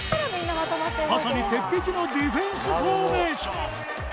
まさに鉄壁のディフェンスフォーメーション